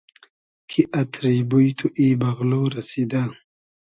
کی اتری بوی تو ای بئغلۉ رئسیدۂ